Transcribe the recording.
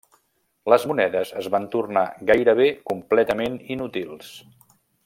Les monedes es van tornar gairebé completament inútils.